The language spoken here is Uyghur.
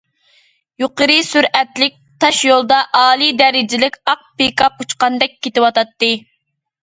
يۇقىرى سۈرئەتلىك تاشيولدا ئالىي دەرىجىلىك ئاق پىكاپ ئۇچقاندەك كېتىۋاتاتتى.